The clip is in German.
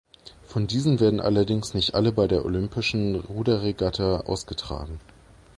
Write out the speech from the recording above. Von diesen werden allerdings nicht alle bei der olympischen Ruderregatta ausgetragen.